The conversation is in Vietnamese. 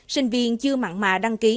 sinh viên chưa mặn mà đăng ký